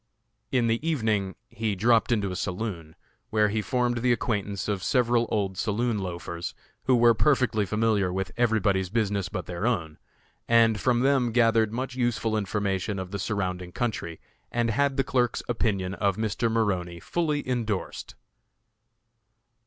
In the evening he dropped into a saloon, where he formed the acquaintance of several old saloon loafers, who were perfectly familiar with everybody's business but their own, and from them gathered much useful information of the surrounding country, and had the clerk's opinion of Mr. Maroney fully endorsed.